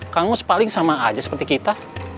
kang mus paling sama aja seperti kita